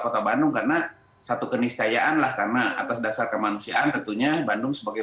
kota bandung karena satu keniscayaan lah karena atas dasar kemanusiaan tentunya bandung sebagai